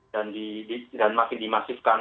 dan di dan makin dimasifkan